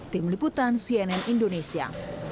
tim liputan cnn indonesia